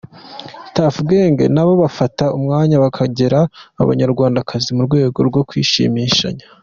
Tuff Gangz nabo bafata umwanya bakegera abanyarwandakazi mu rwego rwo kwishimishanya.